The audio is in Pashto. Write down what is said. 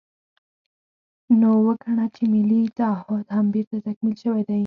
نو وګڼه چې ملي تعهُد هم بېرته تکمیل شوی دی.